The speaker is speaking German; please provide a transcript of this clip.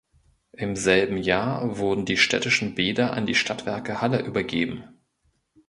Im selben Jahr wurden die städtischen Bäder an die Stadtwerke Halle übergeben.